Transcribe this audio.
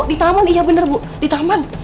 di taman iya benar bu di taman